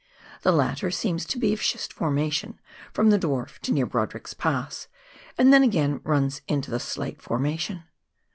The latter seems to be of schist formation from the Dwarf to near Brodrick's Pass, and then again runs into the slate formation.